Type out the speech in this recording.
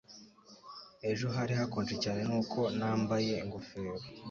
Ejo hari hakonje cyane nuko nambaye ingofero